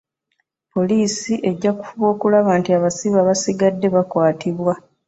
Poliisi ejja kufuba okulaba nti abasibe abasigadde bakwatibwa.